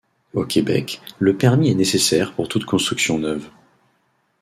Au Québec, le permis est nécessaire pour toute construction neuve.